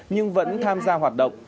nhưng vẫn tham gia hoạt động